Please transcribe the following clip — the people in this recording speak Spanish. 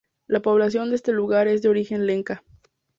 La población de este lugar es de origen Lenca.